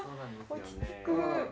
落ち着く。